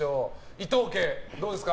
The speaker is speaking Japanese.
伊藤家どうですか？